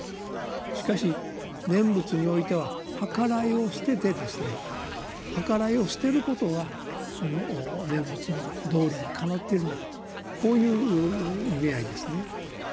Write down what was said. しかし念仏においてははからいを捨ててですねはからいを捨てることがその念仏の道理にかなっているんだとこういう意味合いですね。